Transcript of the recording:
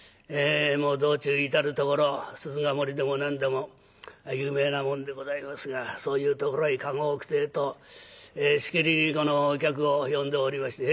道中至る所鈴ヶ森でも何でも有名なもんでございますがそういうところへ駕籠を置くてえとしきりにお客を呼んでおりまして。